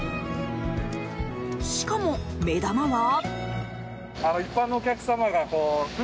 しかも、目玉は。